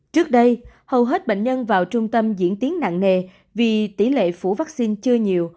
trước đây hầu hết bệnh nhân vào trung tâm diễn tiến nặng nề vì tỷ lệ phủ vaccine chưa nhiều